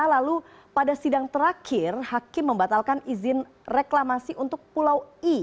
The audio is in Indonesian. lalu pada sidang terakhir hakim membatalkan izin reklamasi untuk pulau i